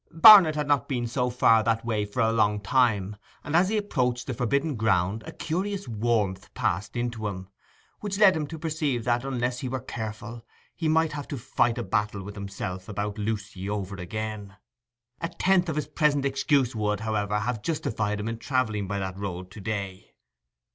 Barnet had not been so far that way for a long time, and as he approached the forbidden ground a curious warmth passed into him, which led him to perceive that, unless he were careful, he might have to fight the battle with himself about Lucy over again. A tenth of his present excuse would, however, have justified him in travelling by that road to day.